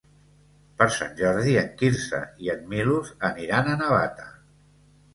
Per Sant Jordi en Quirze i en Milos aniran a Navata.